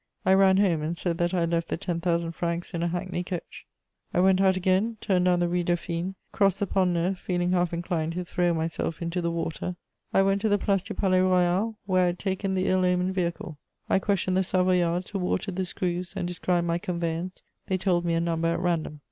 I ran home and said that I had left the ten thousand francs in a hackney coach. I went out again, turned down the Rue Dauphine, crossed the Pont Neuf, feeling half inclined to throw myself into the water; I went to the Place du Palais Royal, where I had taken the ill omened vehicle. I questioned the Savoyards who watered the screws, and described my conveyance; they told me a number at random.